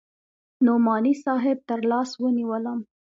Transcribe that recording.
نعماني صاحب تر لاس ونيولم.